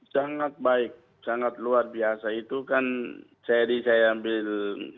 sangat baik sangat luar biasa itu kan seri saya ambil